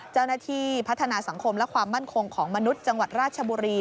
เจ้าหน้าที่พัฒนาสังคมและความมั่นคงของมนุษย์จังหวัดราชบุรี